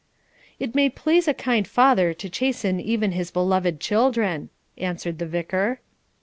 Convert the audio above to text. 'It may please a kind father to chasten even his beloved children,' answered the Vicar.